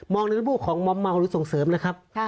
มองในภูมิของเหมาหรือส่งเสริมนะครับ